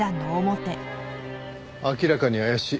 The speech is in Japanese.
明らかに怪しい。